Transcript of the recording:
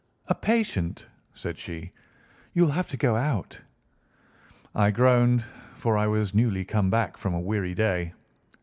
"A patient!" said she. "You'll have to go out." I groaned, for I was newly come back from a weary day.